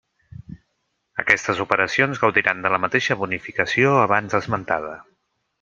Aquestes operacions gaudiran de la mateixa bonificació abans esmentada.